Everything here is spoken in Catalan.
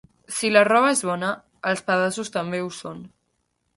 Si la roba és bona, els pedaços també ho són.